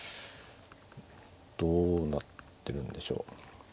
どうなってるんでしょう。